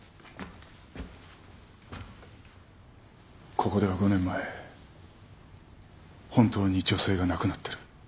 ここでは５年前本当に女性が亡くなってる。